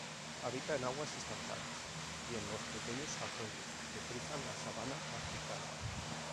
Habita en aguas estancadas y en los pequeños arroyos que cruzan la sabana africana.